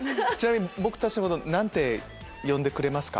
僕たちのこと何て呼んでくれますか？